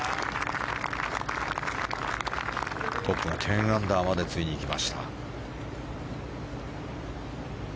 トップが１０アンダーまでついに来ました。